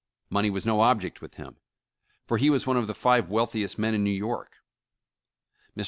Money was no object with him, for he was one of the five wealthiest men in New York. Mr.